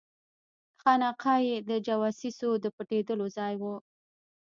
خانقاه یې د جواسیسو د پټېدلو ځای وو.